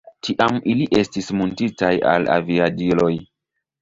Tiam ili estis muntitaj al aviadiloj.